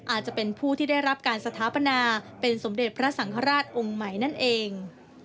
อาจจะเป็นผู้ที่ได้รับการสถาปนาเป็นสมเด็จพระสังฆราชองค์ใหม่นั่นเอง